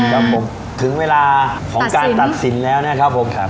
ครับผมถึงเวลาของการตัดสินแล้วนะครับผมครับ